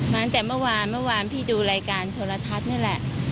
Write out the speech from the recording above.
ตั้งแต่เมื่อวานเมื่อวานพี่ดูรายการโทรทัศน์นี่แหละ